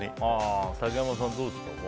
竹山さんはどうですか？